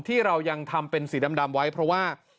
ที่เรายังทำเป็นสีดำไว้เพราะว่า